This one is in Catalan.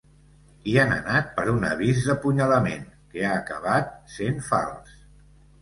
Hi han anat per un avís d’apunyalament que ha acabat sent fals.